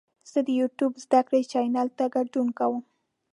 زه د یوټیوب زده کړې چینل ته ګډون کوم.